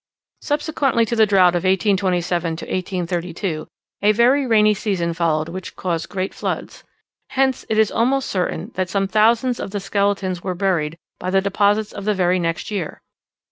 Subsequently to the drought of 1827 to 1832, a very rainy season followed which caused great floods. Hence it is almost certain that some thousands of the skeletons were buried by the deposits of the very next year.